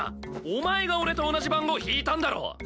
お前が俺と同じ番号引いたんだろ！？